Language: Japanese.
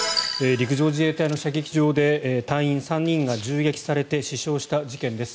陸上自衛隊の射撃場で隊員３人が銃撃されて死傷した事件です。